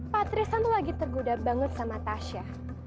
patristan tuh lagi tergoda banget sama tasha